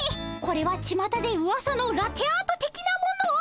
これはちまたでうわさのラテアートてきなもの。